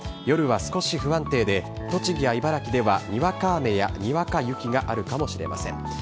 夜は少し不安定で、栃木や茨城では、にわか雨やにわか雪があるかもしれません。